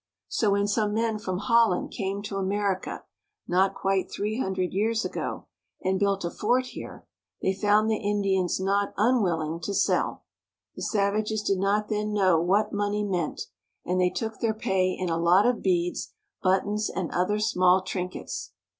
So when some men from Holland came to Amer ica, not quite three hundred years ago, and built a fort here, they found the Indians not unwilling to sell. The savages did not then know what money meant, and they took their pay in a lot of beads, buttons, and other small trinkets.